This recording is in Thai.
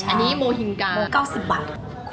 ข้านมจิ้มพะม่าค่ะอันนี้โมหินการ์๙๐บ่า